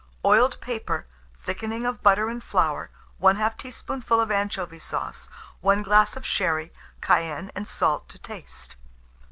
Oiled paper, thickening of butter and flour, 1/2 teaspoonful of anchovy sauce, 1 glass of sherry; cayenne and salt to taste.